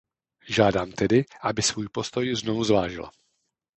Žádám tedy, aby svůj postoj znovu zvážila.